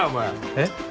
えっ？